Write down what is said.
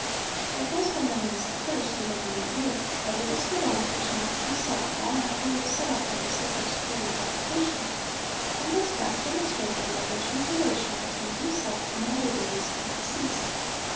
It was by no means the first, even in that year; but it is the one which Knox himself long afterwards selected as the first for republication and as best illustrating the original relation between himself and the lady recently deceased.